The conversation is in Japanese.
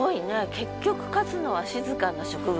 結局勝つのは静かな植物。